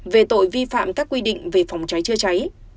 về tội vi phạm các quy định về phòng cháy chữa cháy